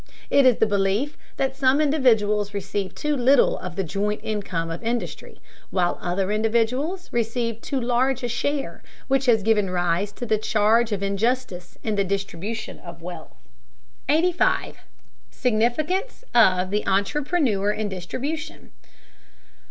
It is the belief that some individuals receive too little of the joint income of industry, while other individuals receive too large a share, which has given rise to the charge of injustice in the distribution of wealth. 85. SIGNIFICANCE OF THE ENTREPRENEUR IN DISTRIBUTION.